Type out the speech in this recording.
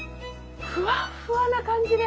ふわっふわな感じで。